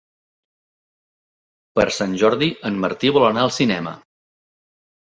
Per Sant Jordi en Martí vol anar al cinema.